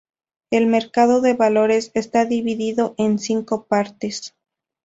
El mercado de valores está dividido en cinco partes.